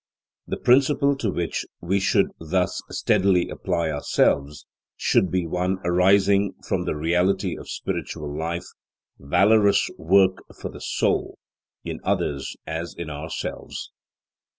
The principle to which we should thus steadily apply ourselves should be one arising from the reality of spiritual life; valorous work for the soul, in others as in ourselves.